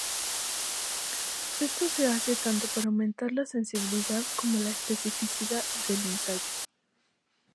Esto se hace tanto para aumentar la sensibilidad como la especificidad del ensayo.